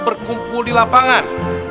berkumpul di lapangan